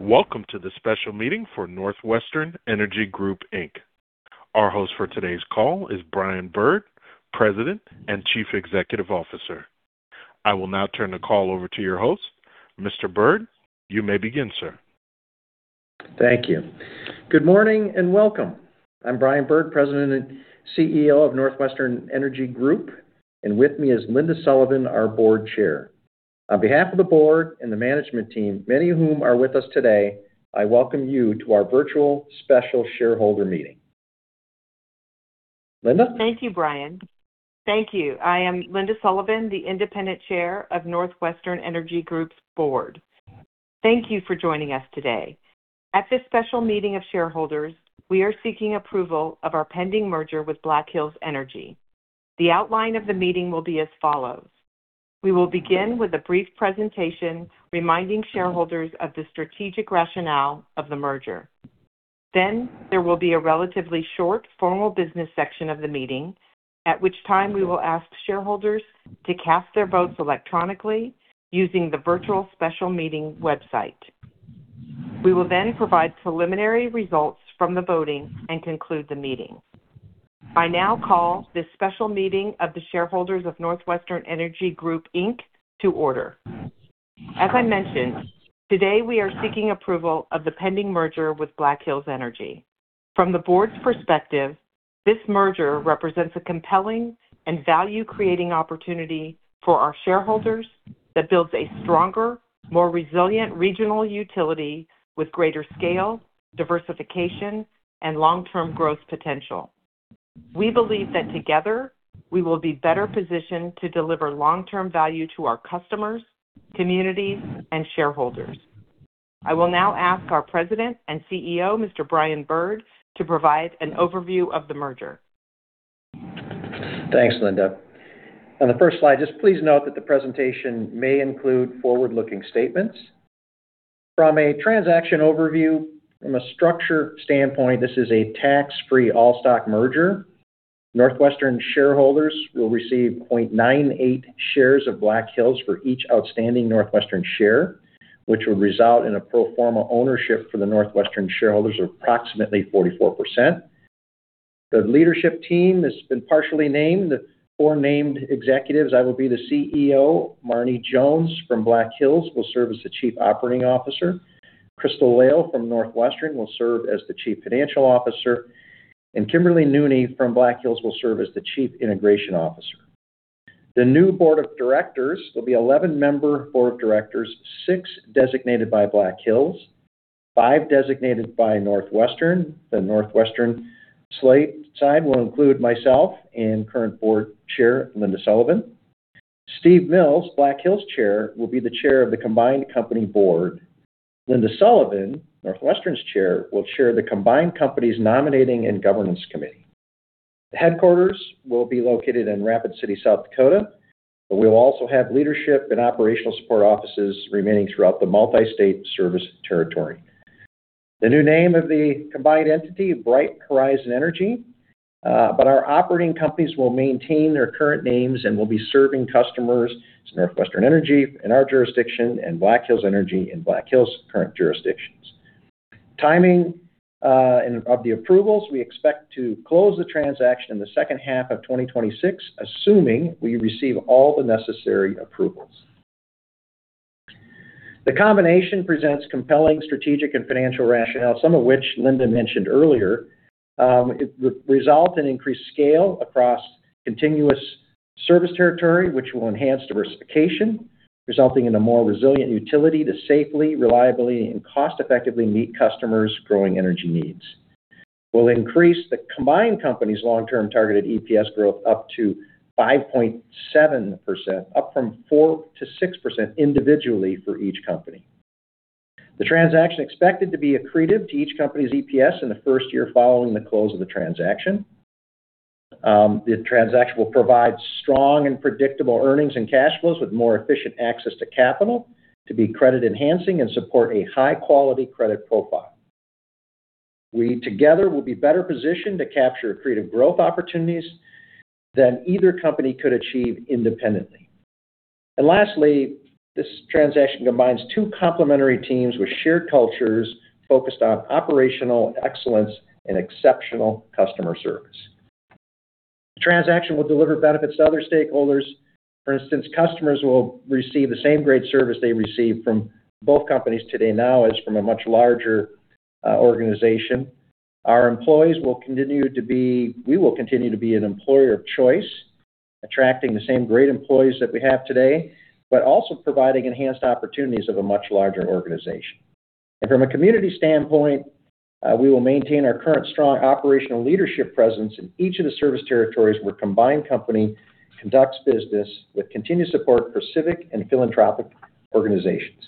Welcome to the special meeting for NorthWestern Energy Group, Inc. Our host for today's call is Brian Bird, President and Chief Executive Officer. I will now turn the call over to your host. Mr. Bird, you may begin, sir. Thank you. Good morning and welcome. I'm Brian Bird, President and CEO of NorthWestern Energy Group, and with me is Linda Sullivan, our Board Chair. On behalf of the board and the management team, many of whom are with us today, I welcome you to our virtual special shareholder meeting. Linda. Thank you, Brian. Thank you. I am Linda Sullivan, the Independent Chair of NorthWestern Energy Group's board. Thank you for joining us today. At this special meeting of shareholders, we are seeking approval of our pending merger with Black Hills Energy. The outline of the meeting will be as follows. We will begin with a brief presentation reminding shareholders of the strategic rationale of the merger. Then there will be a relatively short formal business section of the meeting, at which time we will ask shareholders to cast their votes electronically using the virtual special meeting website. We will then provide preliminary results from the voting and conclude the meeting. I now call this special meeting of the shareholders of NorthWestern Energy Group, Inc. to order. As I mentioned, today we are seeking approval of the pending merger with Black Hills Energy. From the board's perspective, this merger represents a compelling and value-creating opportunity for our shareholders that builds a stronger, more resilient regional utility with greater scale, diversification, and long-term growth potential. We believe that together, we will be better positioned to deliver long-term value to our customers, communities, and shareholders. I will now ask our President and CEO, Mr. Brian Bird, to provide an overview of the merger. Thanks, Linda. On the first slide, just please note that the presentation may include forward-looking statements. From a transaction overview, from a structure standpoint, this is a tax-free all-stock merger. NorthWestern shareholders will receive 0.98 shares of Black Hills for each outstanding NorthWestern share, which would result in a pro forma ownership for the NorthWestern shareholders of approximately 44%. The leadership team has been partially named. The four named executives, I will be the CEO. Marnie Jones from Black Hills will serve as the Chief Operating Officer. Crystal Lail from NorthWestern will serve as the Chief Financial Officer. Kimberly Nooney from Black Hills will serve as the Chief Integration Officer. The new Board of directors, there'll be 11-member Board of Directors, 6 designated by Black Hills and 5 designated by NorthWestern. The NorthWestern slate side will include myself and current Board Chair Linda Sullivan. Steve Mills, Black Hills' Chair, will be the chair of the combined company board. Linda Sullivan, NorthWestern's Chair, will chair the combined company's nominating and governance committee. The headquarters will be located in Rapid City, South Dakota, but we'll also have leadership and operational support offices remaining throughout the multi-state service territory. The new name of the combined entity, Bright Horizon Energy, but our operating companies will maintain their current names and will be serving customers as NorthWestern Energy in our jurisdiction and Black Hills Energy in Black Hills' current jurisdictions. Timing, and of the approvals, we expect to close the transaction in the second half of 2026, assuming we receive all the necessary approvals. The combination presents compelling strategic and financial rationale, some of which Linda mentioned earlier. It would result in increased scale across continuous service territory, which will enhance diversification, resulting in a more resilient utility to safely, reliably, and cost-effectively meet customers' growing energy needs. It will increase the combined company's long-term targeted EPS growth up to 5.7%, up from 4%-6% individually for each company. The transaction is expected to be accretive to each company's EPS in the first year following the close of the transaction. The transaction will provide strong and predictable earnings and cash flows with more efficient access to capital to be credit-enhancing and support a high-quality credit profile. We together will be better positioned to capture accretive growth opportunities than either company could achieve independently. Lastly, this transaction combines two complementary teams with shared cultures focused on operational excellence and exceptional customer service. The transaction will deliver benefits to other stakeholders. For instance, customers will receive the same great service they receive from both companies today now as from a much larger organization. We will continue to be an employer of choice, attracting the same great employees that we have today, but also providing enhanced opportunities of a much larger organization. From a community standpoint, we will maintain our current strong operational leadership presence in each of the service territories where combined company conducts business with continued support for civic and philanthropic organizations.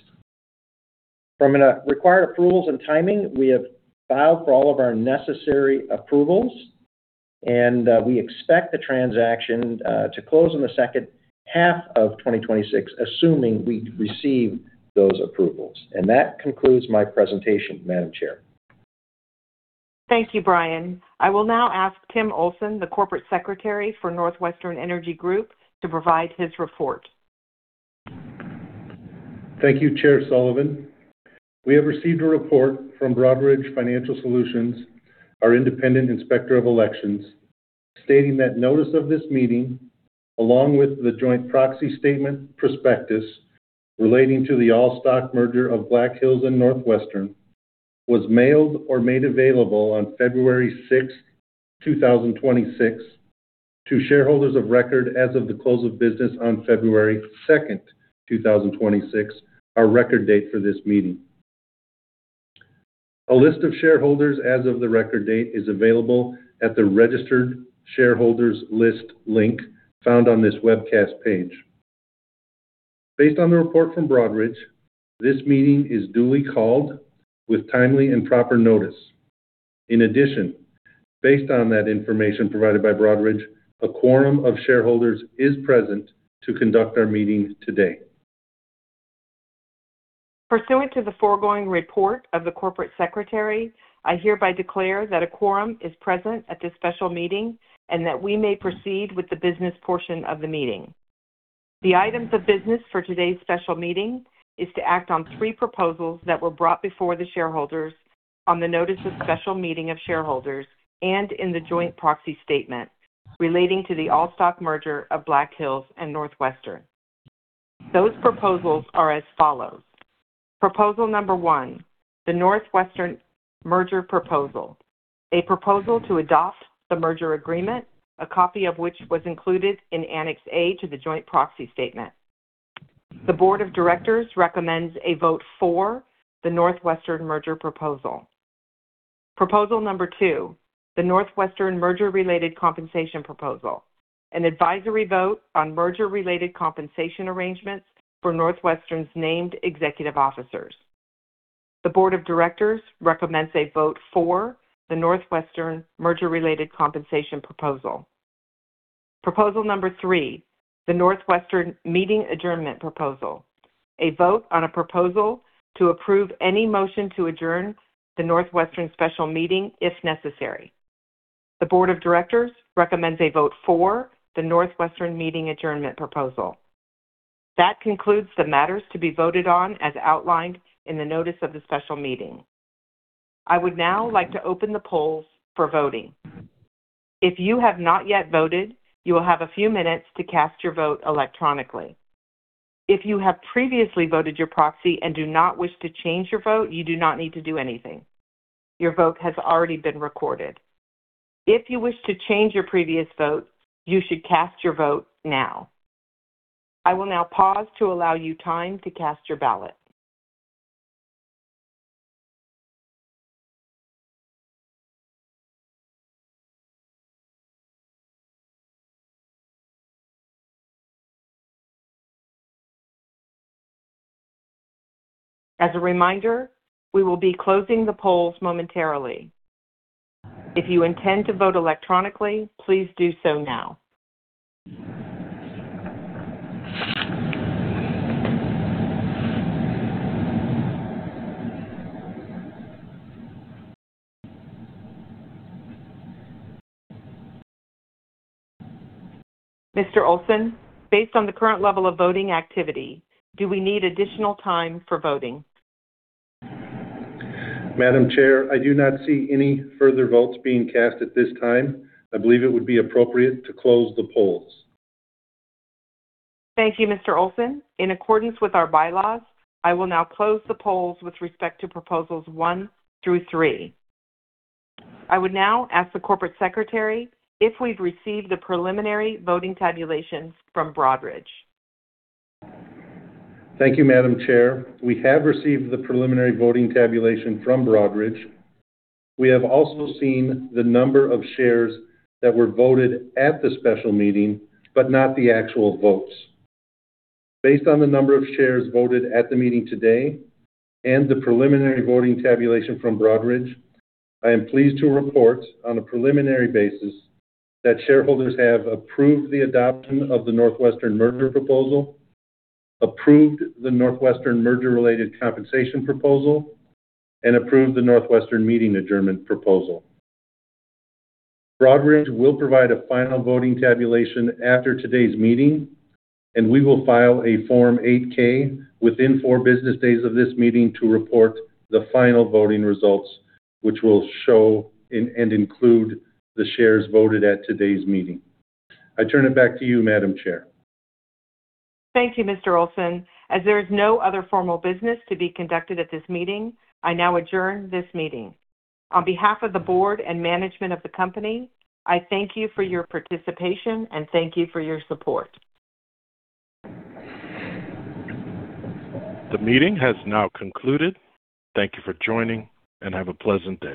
From a regulatory approvals and timing, we have filed for all of our necessary approvals and we expect the transaction to close in the second half of 2026, assuming we receive those approvals. That concludes my presentation, Madam Chair. Thank you, Brian. I will now ask Tim Olson, the Corporate Secretary for NorthWestern Energy Group, to provide his report. Thank you, Chair Sullivan. We have received a report from Broadridge Financial Solutions, our independent inspector of elections, stating that notice of this meeting, along with the joint proxy statement prospectus relating to the all-stock merger of Black Hills and NorthWestern, was mailed or made available on February 6, 2026 to shareholders of record as of the close of business on February 2, 2026, our record date for this meeting. A list of shareholders as of the record date is available at the registered shareholders list link found on this webcast page. Based on the report from Broadridge, this meeting is duly called with timely and proper notice. In addition, based on that information provided by Broadridge, a quorum of shareholders is present to conduct our meeting today. Pursuant to the foregoing report of the corporate secretary, I hereby declare that a quorum is present at this special meeting and that we may proceed with the business portion of the meeting. The items of business for today's special meeting is to act on three proposals that were brought before the shareholders on the notice of special meeting of shareholders and in the joint proxy statement relating to the all-stock merger of Black Hills and NorthWestern. Those proposals are as follows. Proposal number one, the NorthWestern merger proposal. A proposal to adopt the merger agreement, a copy of which was included in Annex A to the joint proxy statement. The board of directors recommends a vote for the NorthWestern merger proposal. Proposal number two, the NorthWestern merger-related compensation proposal. An advisory vote on merger-related compensation arrangements for NorthWestern's named executive officers. The board of directors recommends a vote for the NorthWestern Merger-Related Compensation Proposal. Proposal number three, the NorthWestern Meeting Adjournment Proposal. A vote on a proposal to approve any motion to adjourn the NorthWestern special meeting if necessary. The board of directors recommends a vote for the NorthWestern Meeting Adjournment Proposal. That concludes the matters to be voted on as outlined in the notice of the special meeting. I would now like to open the polls for voting. If you have not yet voted, you will have a few minutes to cast your vote electronically. If you have previously voted your proxy and do not wish to change your vote, you do not need to do anything. Your vote has already been recorded. If you wish to change your previous vote, you should cast your vote now. I will now pause to allow you time to cast your ballot. As a reminder, we will be closing the polls momentarily. If you intend to vote electronically, please do so now. Mr. Olson, based on the current level of voting activity, do we need additional time for voting? Madam Chair, I do not see any further votes being cast at this time. I believe it would be appropriate to close the polls. Thank you, Mr. Olson. In accordance with our bylaws, I will now close the polls with respect to proposals one through three. I would now ask the corporate secretary if we've received the preliminary voting tabulations from Broadridge. Thank you, Madam Chair. We have received the preliminary voting tabulation from Broadridge. We have also seen the number of shares that were voted at the special meeting, but not the actual votes. Based on the number of shares voted at the meeting today and the preliminary voting tabulation from Broadridge, I am pleased to report on a preliminary basis that shareholders have approved the adoption of the NorthWestern Merger Proposal, approved the NorthWestern Merger-Related Compensation Proposal, and approved the NorthWestern Meeting Adjournment Proposal. Broadridge will provide a final voting tabulation after today's meeting, and we will file a Form 8-K within four business days of this meeting to report the final voting results, which will show and include the shares voted at today's meeting. I turn it back to you, Madam Chair. Thank you, Mr. Olson. As there is no other formal business to be conducted at this meeting, I now adjourn this meeting. On behalf of the board and management of the company, I thank you for your participation and thank you for your support. The meeting has now concluded. Thank you for joining, and have a pleasant day.